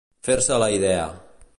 Fer-se a la idea.